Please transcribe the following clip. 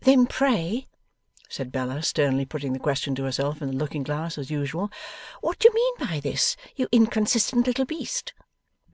Then pray,' said Bella, sternly putting the question to herself in the looking glass as usual, 'what do you mean by this, you inconsistent little Beast?